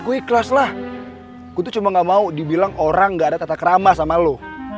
aku ikhlas lah kutu cuma gak mau dibilang orang gak ada tata kerama sama lo